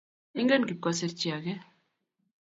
Ingen Kip kosiir chi age